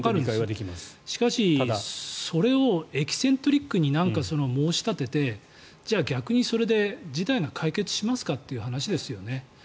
しかし、それをエキセントリックに申し立ててじゃあ逆にそれで事態が解決しますかという話ですよね。